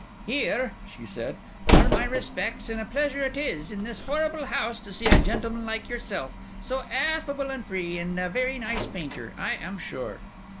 'Here,' she said, 'are my respects; and a pleasure it is, in this horrible house, to see a gentleman like yourself, so affable and free, and a very nice painter, I am sure.